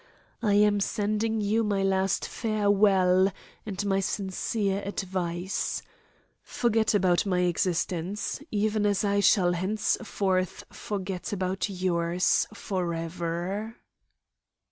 I am sending you my last farewell and my sincere advice. Forget about my existence, even as I shall henceforth forget about yours forever.